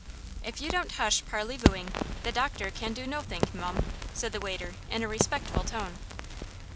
"If you don't hush parley vooing, the doctor can do nothink, mum," said the waiter, in a respectful tone.